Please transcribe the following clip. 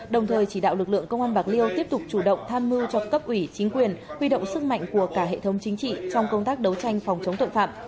đồng thời chỉ đạo lực lượng công an bạc liêu tiếp tục chủ động tham mưu cho cấp ủy chính quyền huy động sức mạnh của cả hệ thống chính trị trong công tác đấu tranh phòng chống tội phạm